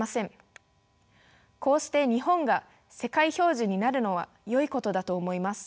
こうして日本が世界標準になるのはよいことだと思います。